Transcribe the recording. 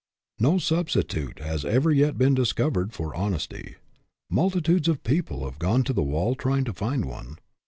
No substitute has ever yet been discovered for honesty. Multitudes of people have gone to the wall trying to find one.